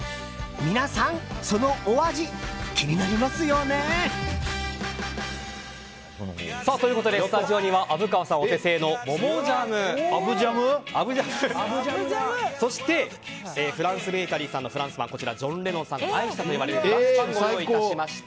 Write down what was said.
皆さんそのお味、気になりますよね？ということでスタジオには虻川さんお手製の桃ジャムＡＢＵジャムそしてフランスベーカリーさんのフランスパンジョン・レノンさんが愛したというパンをご用意しました。